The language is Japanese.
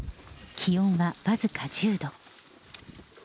気温は僅か１０度。